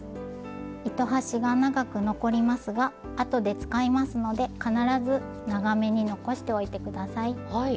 糸端が長く残りますがあとで使いますので必ず長めに残しておいて下さい。